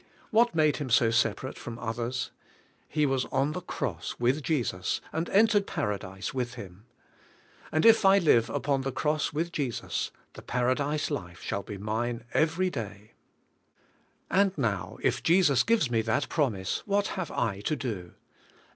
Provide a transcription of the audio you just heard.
What made him so separate from others? He was on the cross with Jesus and entered Paradise with Him. And if I live upon the cross with Jesus, the Paradise life shall be mine every day. DEAD WITH CHRIST 129 And now, if Jesus gives me that promise, what have I to do?